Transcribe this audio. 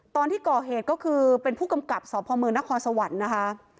ตอนที่ก่อเหตุก็คือเป็นผู้กำกับสพมนครสวรรค์นะคะ